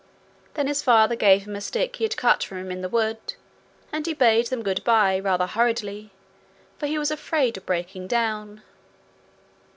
Then his father gave him a stick he had cut for him in the wood, and he bade them good bye rather hurriedly, for he was afraid of breaking down.